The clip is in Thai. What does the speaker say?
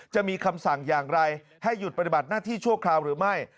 จะมีคำสั่งอย่างไรให้หยุดปฏิบัติหน้าที่ชั่วคราวหรือไม่